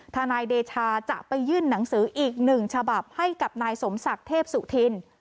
นายเดชาจะไปยื่นหนังสืออีกหนึ่งฉบับให้กับนายสมศักดิ์เทพสุธิน